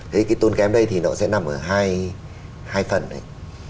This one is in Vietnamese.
thế cái tôn kém đây thì nó sẽ nằm ở hai phần đấy